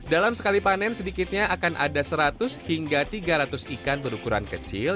dalam sekali panen sedikitnya akan ada seratus hingga tiga ratus ikan berukuran kecil